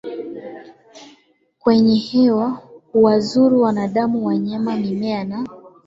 kwenye hewa huwadhuru wanadamu wanyama mimea na